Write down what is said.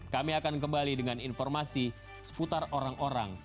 kami akan kembali dengan informasi seputar orang orang